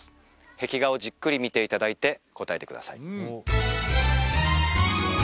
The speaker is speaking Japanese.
壁画をじっくり見ていただいて答えてください